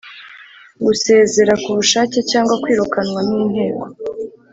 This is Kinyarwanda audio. gusezera ku bushake cyangwa kwirukanwa n Inteko